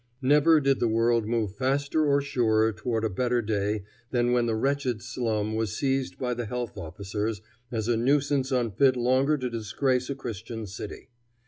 Never did the world move faster or surer toward a better day than when the wretched slum was seized by the health officers as a nuisance unfit longer to disgrace a Christian city.